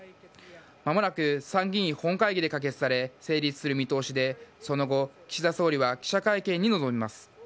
間もなく参議院本会議で可決され成立する見通しでその後岸田総理は記者会見に臨みます。